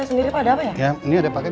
dinasi wilayah ga mungkin mokok mulu